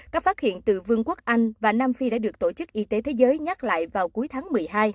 các phát hiện từ vương quốc anh và nam phi đã được tổ chức y tế thế giới nhắc lại vào cuối tháng một mươi hai